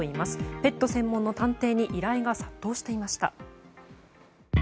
ペット専門の探偵に依頼が殺到していました。